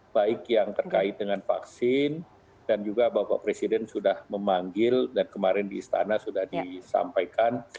baik yang terkait dengan vaksin dan juga bapak presiden sudah memanggil dan kemarin di istana sudah disampaikan